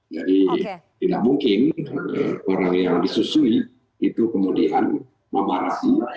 jadi tidak mungkin orang yang disusui itu kemudian memarahi